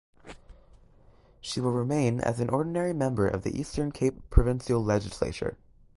She will remain as an ordinary member of the Eastern Cape provincial legislature.